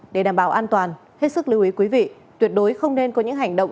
để đảm bảo an toàn hết sức lưu ý quý vị tuyệt đối không nên có những hành động